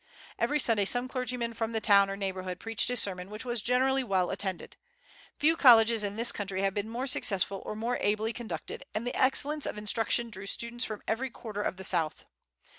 Every Sunday some clergyman from the town or neighborhood preached a sermon, which was generally well attended. Few colleges in this country have been more successful or more ably conducted, and the excellence of instruction drew students from every quarter of the South.